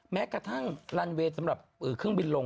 แม้กระทั่งลันเวย์สำหรับเครื่องบินลง